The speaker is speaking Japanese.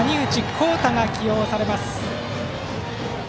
煌汰が起用されます。